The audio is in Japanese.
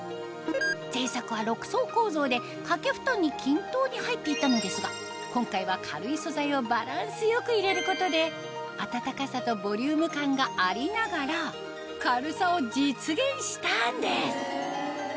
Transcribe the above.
前作は６層構造で掛け布団に均等に入っていたのですが今回は軽い素材をバランス良く入れることで暖かさとボリューム感がありながら軽さを実現したんです